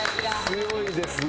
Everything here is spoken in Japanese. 強いですね。